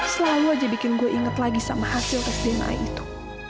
selalu aja bikin gue inget lagi sama hasil tes dna itu